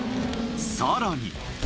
さらに。